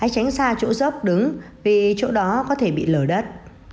đứng xa chỗ dốc đứng vì chỗ đó có thể bị lờ đất